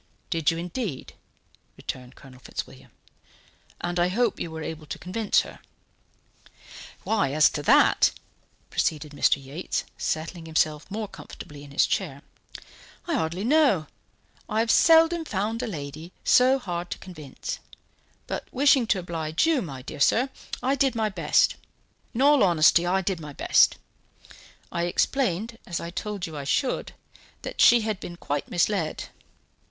"Did you indeed?" returned Colonel Fitzwilliam. "And I hope you were able to convince her." "Why, as to that," proceeded Mr. Yates, settling himself more comfortably in his chair, "I hardly know; I have seldom found a lady so hard to convince. But wishing to oblige you, my dear sir, I did my best; in all honesty, I did my best. I explained, as I told you I should, that she had been quite misled.